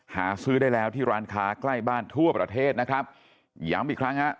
หาซื้อได้แล้วที่ร้านค้าใกล้บ้านทั่วประเทศนะครับย้ำอีกครั้งฮะ